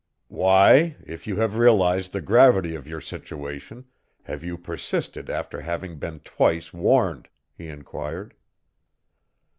"Why, if you have realized the gravity of your situation have you persisted after having been twice warned?" he inquired.